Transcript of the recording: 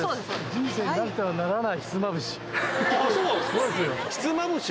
人生になくてはならないひつまぶし。